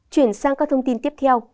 chuyển sang các thông tin tiếp theo